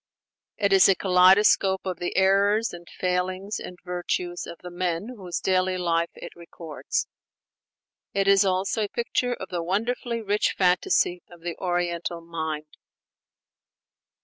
It is a kaleidoscope of the errors and failings and virtues of the men whose daily life it records; it is also a picture of the wonderfully rich fantasy of the Oriental mind.